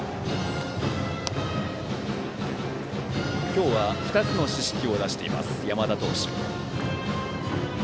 今日は２つの四死球を出しています、山田投手。